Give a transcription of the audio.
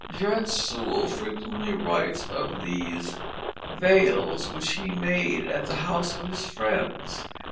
Judge Sewall frequently writes of these "vails" which he made at the house of his friends.